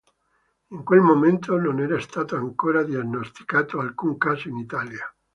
In quel momento non era stato ancora diagnosticato alcun caso in Italia.